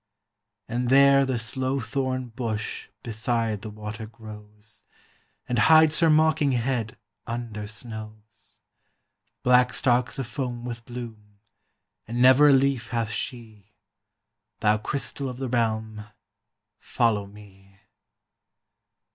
"And there the sloethorn bush Beside the water grows, And hides her mocking head Under snows; Black stalks afoam with bloom, And never a leaf hath she: Thou crystal of the realm, Follow me!"